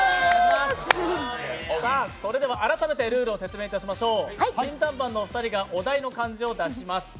それでは改めてルールを説明いたしましょう。